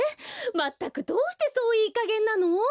まったくどうしてそういいかげんなの？